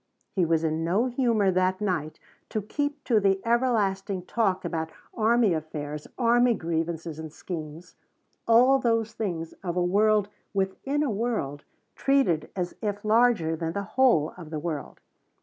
He was in no humor that night to keep to the everlasting talk about army affairs, army grievances and schemes, all those things of a world within a world treated as if larger than the whole of the world.